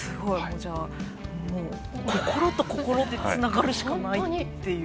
じゃあ、心と心でつながるしかないっていう。